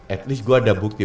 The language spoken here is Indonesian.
at least gue ada bukti